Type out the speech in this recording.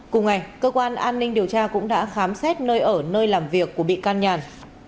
cùng ngày cơ quan an ninh điều tra cũng đã khám xét nơi ở nơi làm việc của bị can nhàn